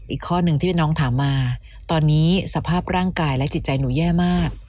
อีกข้อหนึ่งที่พี่น้องถามมาตอนนี้สภาพร่างกายและจิตใจหนูแย่มาก